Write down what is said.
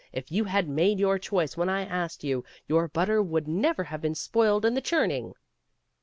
If you had made your choice when I asked you, your butter would never have been spoiled in the churning."